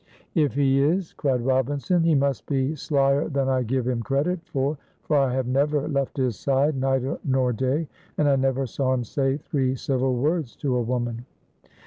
"If he is," cried Robinson, "he must be slyer than I give him credit for, for I have never left his side night nor day, and I never saw him say three civil words to a woman."